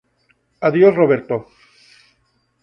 Adiós Roberto